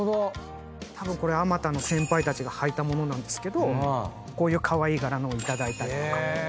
たぶんあまたの先輩たちがはいた物なんですけどこういうカワイイ柄のを頂いたりとか。